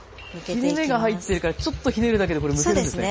切れ目が入ってるからちょっとひねるだけでむけるんですね。